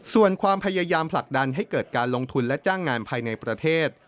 ส่วนความพยายามผลักดันให้เกิดการลงทุนและจ้างงานภายในประเทศ